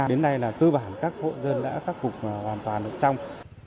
đến nay là cơ bản các hộ dân đã khắc phục hoàn toàn được trong